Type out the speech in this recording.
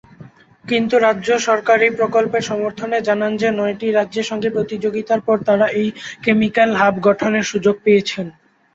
কিন্তু রাজ্য সরকার এই প্রকল্পের সমর্থনে জানান যে নয়টি রাজ্যের সঙ্গে প্রতিযোগিতার পর তারা এই কেমিক্যাল হাব গঠনের সুযোগ পেয়েছেন।